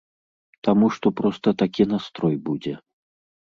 Таму што проста такі настрой будзе.